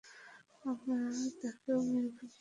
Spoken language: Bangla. আমরা তাকেও মেরে ফেলব।